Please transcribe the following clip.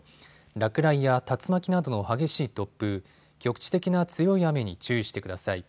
落雷や竜巻などの激しい突風、局地的な強い雨に注意してください。